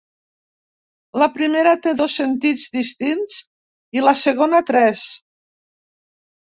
La primera té dos sentits distints i la segona tres.